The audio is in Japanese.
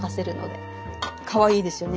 かわいいですよね。